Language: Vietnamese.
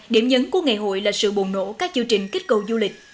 điểm nhấn của ngày hội là sự bồn nổ các chư trình kích cầu du lịch